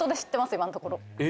今のところ。